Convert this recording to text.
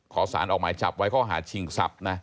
ขอสารออกหมายจับไว้ข้อหาชิงทรัพย์นะ